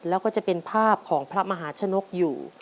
แล้วก็จะเป็นภาพของพระมหาชนกอยู่